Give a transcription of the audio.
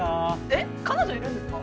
えっ彼女いるんですか？